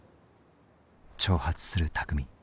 挑発する巧。